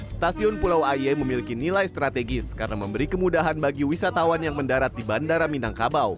stasiun pulau aie memiliki nilai strategis karena memberi kemudahan bagi wisatawan yang mendarat di bandara minangkabau